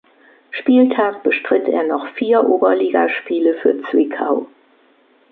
Spieltag bestritt er noch vier Oberligaspiele für Zwickau.